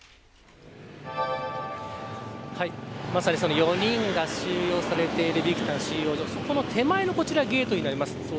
まさにその４人が収容されているビクタン収容所その手前のゲートになります。